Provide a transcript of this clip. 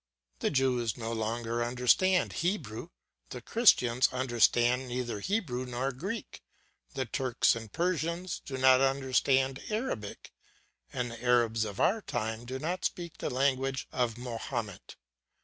The Jews no longer understand Hebrew, the Christians understand neither Hebrew nor Greek; the Turks and Persians do not understand Arabic, and the Arabs of our time do not speak the language of Mahomet.